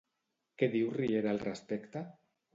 Què diu Riera al respecte?